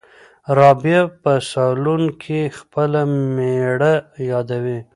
رابعه په صالون کې خپله مېړه یادوي.